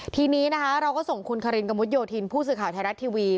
ทีนี้นะคะเราก็ส่งคุณคารินกระมุดโยธินผู้สื่อข่าวไทยรัฐทีวี